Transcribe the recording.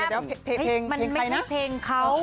เดี๋ยวเพลงใครนะมันไม่มีเพลงเขา